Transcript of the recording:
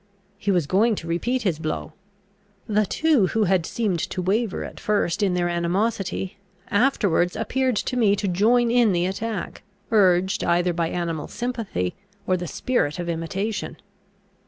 He was going to repeat his blow. The two who had seemed to waver at first in their animosity, afterwards appeared to me to join in the attack, urged either by animal sympathy or the spirit of imitation.